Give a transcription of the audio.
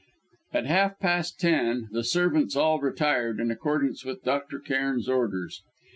At half past ten, the servants all retired in accordance With Dr. Cairn's orders.